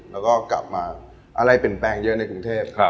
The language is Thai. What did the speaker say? แล้วก็กลับมาอะไรเปลี่ยนแปลงเยอะในกรุงเทพ